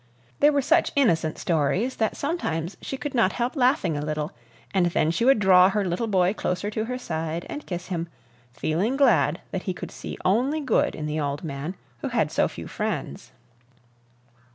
They were such innocent stories that sometimes she could not help laughing a little, and then she would draw her little boy closer to her side and kiss him, feeling glad that he could see only good in the old man, who had so few friends.